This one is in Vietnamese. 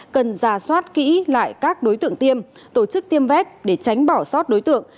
cần ra soát kỹ lại các đối tượng tiêm tổ chức tiêm vét để tránh bỏ sót đối tượng